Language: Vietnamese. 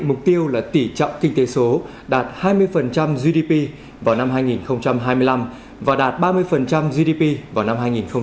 mục tiêu là tỉ trọng kinh tế số đạt hai mươi gdp vào năm hai nghìn hai mươi năm và đạt ba mươi gdp vào năm hai nghìn ba mươi